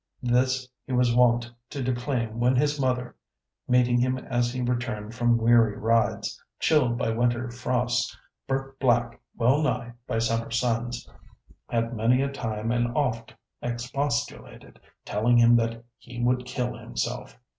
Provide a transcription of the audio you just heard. This he was wont to declaim when his mother, meeting him as he returned from weary rides, chilled by winter frosts, burnt black well nigh by summer suns, had many a time and oft expostulated, telling him that he would kill himself.